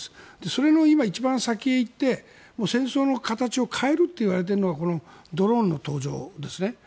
それの今一番先をいって戦争の形を変えるといわれているのがこのドローンの登場です。